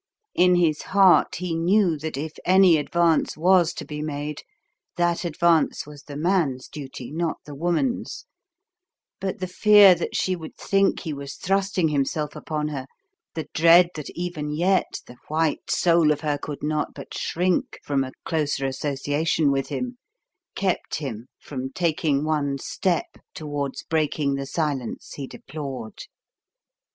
In his heart he knew that if any advance was to be made, that advance was the man's duty, not the woman's; but the fear that she would think he was thrusting himself upon her, the dread that even yet the white soul of her could not but shrink from a closer association with him, kept him from taking one step towards breaking the silence he deplored.